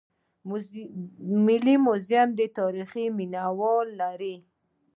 ملي موزیم د تاریخ مینه وال لري